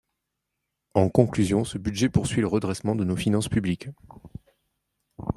En conclusion, ce budget poursuit le redressement de nos finances publiques.